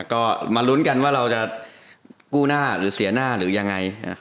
ก็มาลุ้นกันว่าเราจะกู้หน้าหรือเสียหน้าหรือยังไง